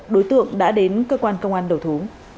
đối tượng đã đến cơ quan công an đầu thú